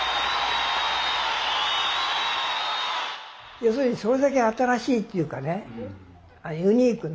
要するにそれだけ新しいっていうかね